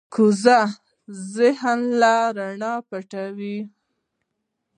کوږ ذهن له رڼا پټ وي